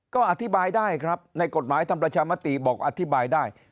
ก็อธิบายได้ครับในกฎหมายทำประชามติบอกอธิบายได้